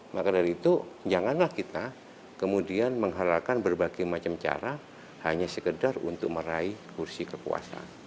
maka dari itu janganlah kita kemudian menghalalkan berbagai macam cara hanya sekedar untuk meraih kursi kekuasaan